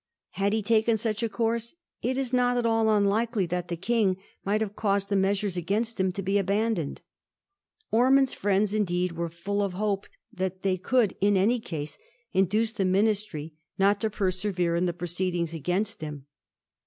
Had he taken such a course it is not at all unlikely that the King might have caused the measures against him to be abandoned. Ormond's £riends indeed were fiill of hope that they could, in any case, induce the Ministry not to persevere in the proceedings against him.